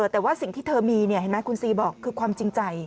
แต่ว่าสิ่งที่เธอมีเห็นไหมคุณซีบอกคือความจริงใจ